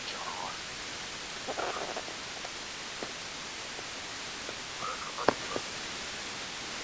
Na kuunda kikundi cha kimapinduzi kilichojulikana kama